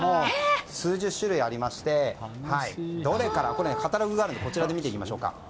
数十種類ありましてカタログがあるのでこちらから見ていきましょう。